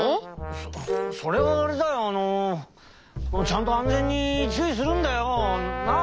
そそれはあれだよあのちゃんと安全にちゅういするんだよ。なあ？